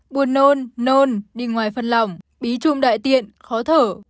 buồn nôn nôn đi ngoài phân lỏng bí trung đại tiện khó thở